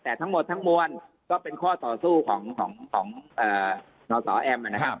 แต่ทั้งหมดทั้งมวลก็เป็นข้อส่อสู้ของของของของเอ่อนอสอแอมนะครับ